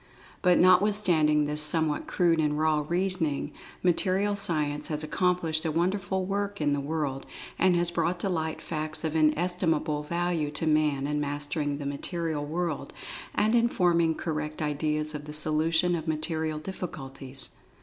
But notwithstanding this somewhat crude and "raw" reasoning, Material Science has ac[Pg 23]complished a wonderful work in the world, and has brought to light facts of inestimable value to Man in mastering the material world, and in forming correct ideas of the solution of material difficulties.